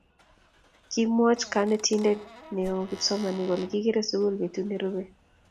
Kimwochi konetinte nao kipsomaninik kole kikere sukul betut ne rupei.